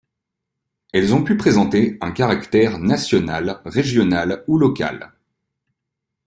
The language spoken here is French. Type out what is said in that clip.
Elles ont pu présenter un caractère national, régional ou local.